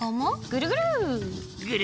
グルグル！